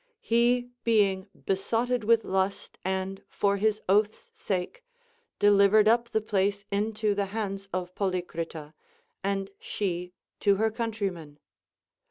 He, being besotted Λvitll lust and for his oath's sake, delivered up the place into the hands of Polycrita, and she to her countrymen.